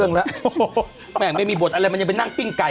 พี่จะเล่าให้ฉันฟังเลยมีแต่แบบจะตบกูทั้งวันเลยบอกขอกินหน่อยสิ